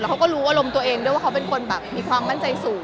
เขาก็รู้อารมณ์ตัวเองด้วยว่าเขาเป็นคนแบบมีความมั่นใจสูง